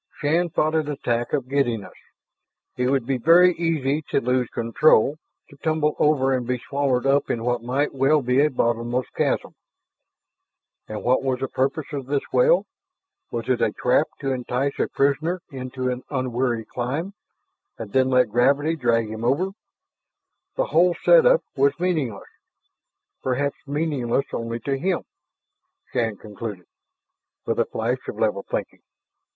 Shann fought an attack of giddiness. It would be very easy to lose control, to tumble over and be swallowed up in what might well be a bottomless chasm. And what was the purpose of this well? Was it a trap to entice a prisoner into an unwary climb and then let gravity drag him over? The whole setup was meaningless. Perhaps meaningless only to him, Shann conceded, with a flash of level thinking.